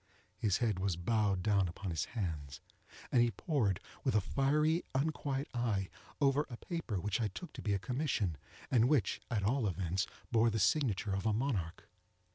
His head was bowed down upon his hands, and he pored, with a fiery unquiet eye, over a paper which I took to be a commission, and which, at all events, bore the signature of a monarch.